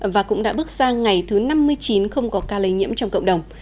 và cũng đã bước sang ngày thứ năm mươi chín không có ca lây nhiễm trong cộng đồng